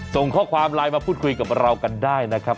ส่งข้อความไลน์มาพูดคุยกับเรากันได้นะครับ